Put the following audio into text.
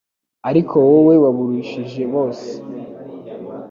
ariko wowe wabarushije bose»